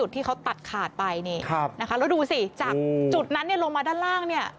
ที่เขาตัดขาดไปนี่นะคะแล้วดูสิจากจุดนั้นลงมาด้านล่างเนี่ย